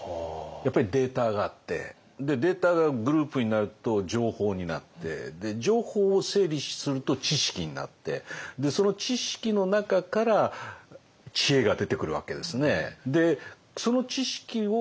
やっぱりデータがあってデータがグループになると情報になって情報を整理すると知識になってその知識の中から知恵が出てくるわけですね。